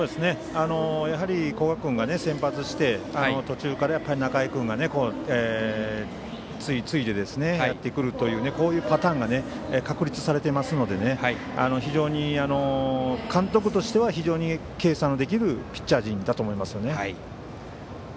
やはり古賀君が先発して途中から仲井君が継いでやってくるというこういうパターンが確立されていますので監督としては非常に計算のできるピッチャー陣だと思います。